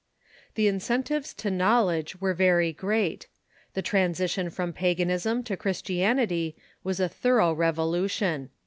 The incentives to knowledge were very great. The transi tion from paganism to Christianity was a thorough revolution.